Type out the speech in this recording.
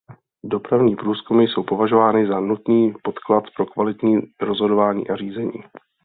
Dopravní průzkumy jsou považovány za nutný podklad pro kvalitní rozhodování a řízení.